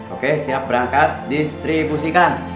oke siap berangkat distribusikan ya oke